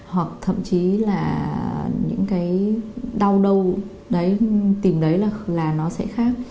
hoặc thậm chí là những cái đau đau tìm đấy là nó sẽ khác